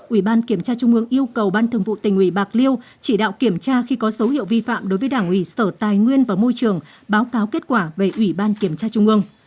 ủy ban kiểm tra trung ương yêu cầu ban thường vụ tỉnh ủy bạc liêu chỉ đạo kiểm tra khi có dấu hiệu vi phạm đối với đảng ủy sở tài nguyên và môi trường báo cáo kết quả về ủy ban kiểm tra trung ương